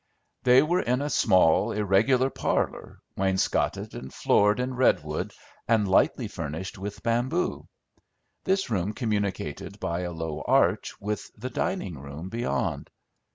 They were in a small, irregular parlor, wainscoted and floored in redwood, and lightly furnished with bamboo. This room communicated by a low arch with the dining room beyond.